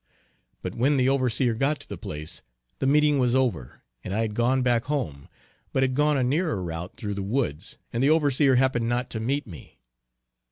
But when the overseer got to the place, the meeting was over and I had gone back home, but had gone a nearer route through the woods and the overseer happened not to meet me.